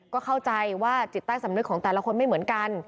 ก็เข้าใจว่าจิตใต้สำนึกของแต่ละคนไม่เหมือนกัน